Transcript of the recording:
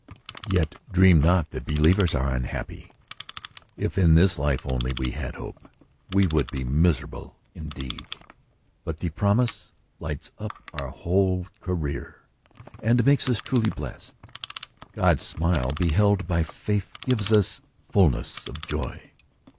Yet dream not that believers are unhappy. If in this life only we had hope we should be miser able indeed ; but the promue lights up our whole The Parting, 33 career, and makes us truly blessed. God's smile beheld by faith gives us fullness of joy.